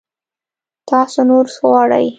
تاسو نور غواړئ؟